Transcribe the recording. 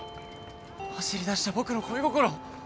走りだした僕の恋心。